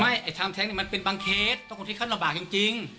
ไม่ไอ้ทำแท้งเนี่ยมันเป็นบางเคสต้องควรที่ขั้นระบากจริงจริง